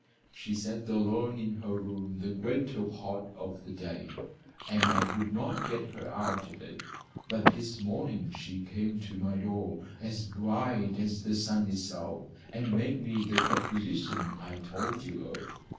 She sat alone in her room the greater part of the day, and I could not get her out of it. But this morning she came to my door as bright as the sun itself and made me the proposition I told you of.